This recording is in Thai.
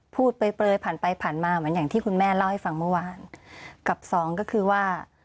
พูดเปลยผ่านไปผ่านมาเหมือนอย่างที่คุณแม่เล่าให้ฟังเมื่อวานกับสองก็คือว่า